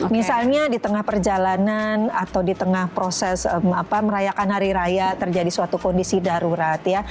misalnya di tengah perjalanan atau di tengah proses merayakan hari raya terjadi suatu kondisi darurat ya